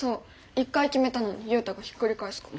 一回決めたのにユウタがひっくり返すから。